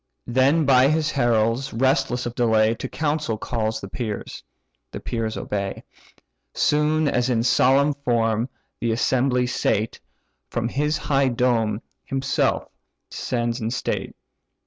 Then by his heralds, restless of delay, To council calls the peers: the peers obey. Soon as in solemn form the assembly sate, From his high dome himself descends in state.